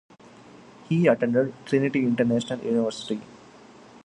He attended Trinity International University.